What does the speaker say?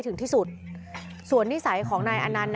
ถึงที่สุดส่วนนิสัยของนายอนันต์